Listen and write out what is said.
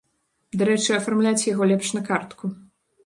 Дарэчы, афармляць яго лепш на картку.